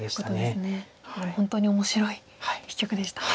でも本当に面白い一局でしたね。